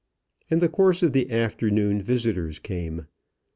In the course of the afternoon visitors came.